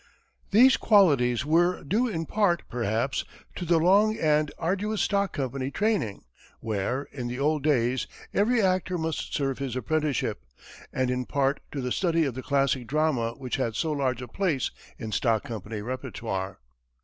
These qualities were due in part, perhaps, to the long and arduous stock company training, where, in the old days, every actor must serve his apprenticeship, and in part to the study of the classic drama which had so large a place in stock company repertoire.